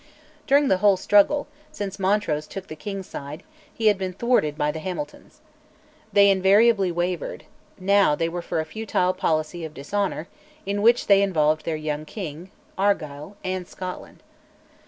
During the whole struggle, since Montrose took the king's side, he had been thwarted by the Hamiltons. They invariably wavered: now they were for a futile policy of dishonour, in which they involved their young king, Argyll, and Scotland.